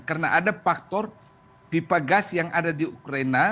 karena ada faktor pipa gas yang ada di ukraina